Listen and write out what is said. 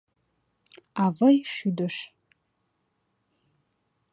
Авый шӱдыш.